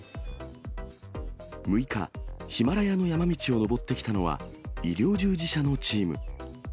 ６日、ヒマラヤの山道を登ってきたのは、医療従事者のチーム。